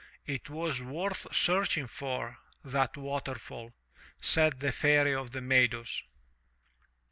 It was worth searching for — that waterfall,'* said the Fairy of the Meadows.